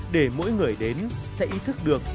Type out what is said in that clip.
để mỗi người đến sẽ ý thức được